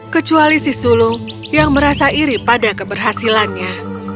kecuali si sulung yang merasa iri pada keberhasilannya